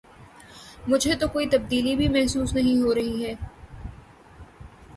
مجھے تو کوئی تبدیلی بھی محسوس نہیں ہو رہی ہے۔